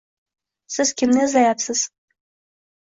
Siz kimni izlayapsiz?